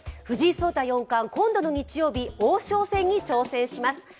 藤井聡太四冠、今度の日曜日、王将戦に挑戦します。